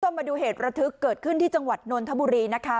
มาดูเหตุระทึกเกิดขึ้นที่จังหวัดนนทบุรีนะคะ